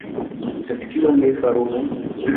Sed kion mi faru nun?